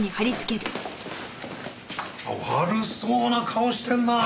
悪そうな顔してるなあ。